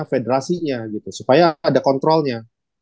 federasinya gitu supaya ada kontrolnya